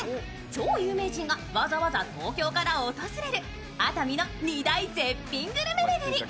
超有名人がわざわざ東京から訪れる熱海の２大絶品グルメ巡り。